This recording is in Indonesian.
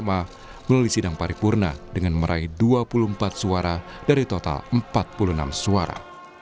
melalui sidang paripurna dengan meraih dua puluh empat suara dari total empat puluh enam suara